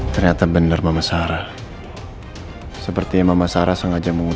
kami akan ceritakan semuanya secara jujur